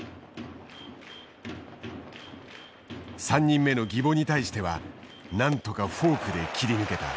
３人目の宜保に対してはなんとかフォークで切り抜けた。